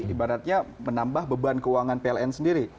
ibaratnya menambah beban keuangan pln sendiri